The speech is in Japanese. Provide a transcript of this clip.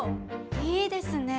いいですね！